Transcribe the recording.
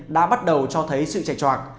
đã bắt đầu cho thấy sự chạy chọc